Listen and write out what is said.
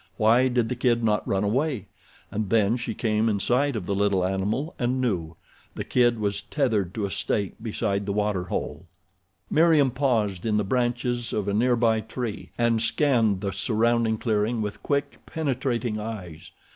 Why did the kid not run away? And then she came in sight of the little animal and knew. The kid was tethered to a stake beside the waterhole. Meriem paused in the branches of a near by tree and scanned the surrounding clearing with quick, penetrating eyes.